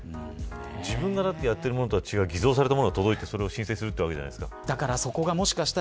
自分がやっているものとは違う偽造されたものが届いて申請するわけじゃないですか。